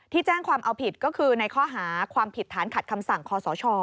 แจ้งความเอาผิดก็คือในข้อหาความผิดฐานขัดคำสั่งคอสช